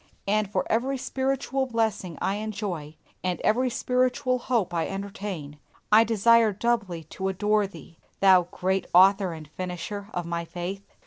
And for every spiritual blessing I enjoy, and every spiritual hope I entertain, I desire doubly to adore thee, Thou Great Author and Finisher of my faith!